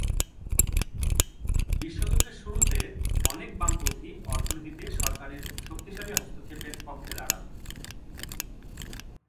বিশ শতকের শুরুতে, অনেক বামপন্থী অর্থনীতিতে সরকারের শক্তিশালী হস্তক্ষেপের পক্ষে দাঁড়ান।